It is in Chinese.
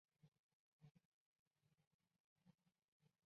圣沙马朗。